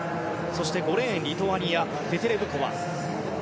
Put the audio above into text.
５レーン、リトアニアテテレブコワ。